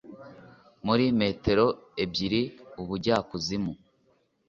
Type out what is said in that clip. Muri metero ebyiri ubujyakuzimu